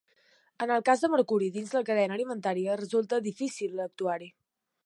En el cas del mercuri dins la cadena alimentària resulta difícil actuar-hi.